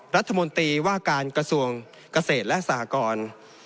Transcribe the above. รัฐมนตรีว่าการกระทรวงเกษตรและสหกร